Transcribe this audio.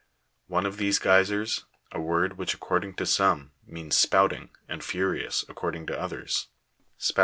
One of these geysers (a word which according to some means spouting, and furious, according to others) spout?